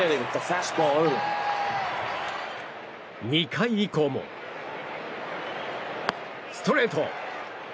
２回以降も、ストレート。